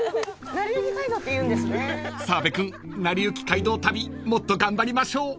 ［澤部君『なりゆき街道旅』もっと頑張りましょう］